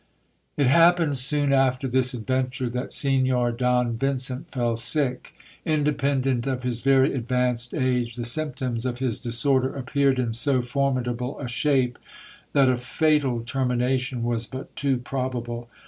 It happened soon after this adventure that Signor Don Vincent fell sick. In dependent of his very advanced age, the symptoms of his disorder appeared in so formidable a shape that a fatal termination was but too probable.